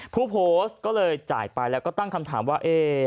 ผู้โพสต์ก็เลยจ่ายไปแล้วก็ตั้งคำถามว่า